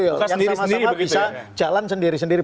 yang sama sama bisa jalan sendiri sendiri